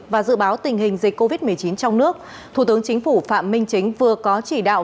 và dự báo tình hình dịch covid một mươi chín trong nước thủ tướng chính phủ phạm minh chính vừa có chỉ đạo